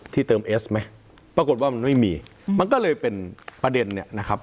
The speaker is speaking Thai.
เติมเอสไหมปรากฏว่ามันไม่มีมันก็เลยเป็นประเด็นเนี่ยนะครับ